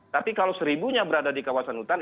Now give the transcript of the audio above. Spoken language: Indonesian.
tapi kalau satu nya berada di kawasan hutan